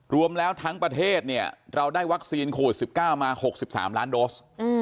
รวมแล้วทั้งประเทศเนี่ยเราได้วัคซีนโควิด๑๙มา๖๓ล้านโดส